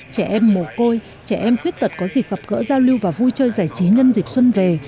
trẻ em mồ côi trẻ em khuyết tật có dịp gặp gỡ giao lưu và vui chơi giải trí nhân dịp xuân về